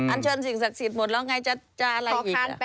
อันชนสิ่งศักดิ์สิทธิ์หมดจะอะไรอีก